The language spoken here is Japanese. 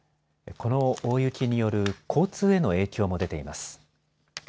この大雪による、交通への影響も出ています。